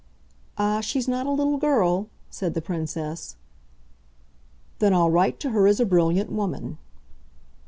"Ah, she's not a little girl," said the Princess. "Then I'll write to her as a brilliant woman."